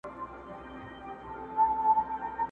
پر سر یې راوړل کشمیري د خیال شالونه!!